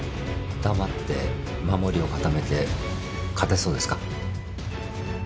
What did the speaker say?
黙って守りを固めて勝てそうですか？